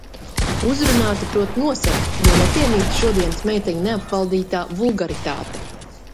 Uzrunāta prot nosarkt, jo nepiemīt šodienas meiteņu neapvaldītā vulgaritāte.